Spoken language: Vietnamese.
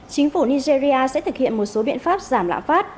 chính phủ nigeria sẽ thực hiện một số biện pháp giảm lãng phát